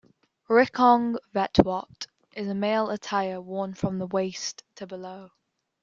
"Rikong vetvot" is a male attire worn from the waist to below.